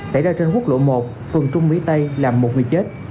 xảy ra trên quốc lộ một phường trung mỹ tây làm một người chết